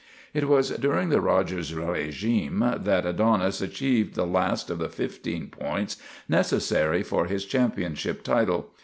It was during the Rogers regime that Adonis achieved the last of the fifteen points necessary for his championship title.